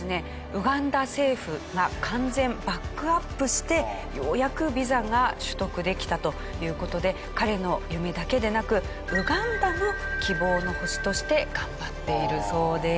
ウガンダ政府が完全バックアップしてようやくビザが取得できたという事で彼の夢だけでなくウガンダの希望の星として頑張っているそうです。